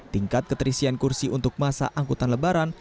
tingkat keterisian kursi untuk masa angkutan lebaran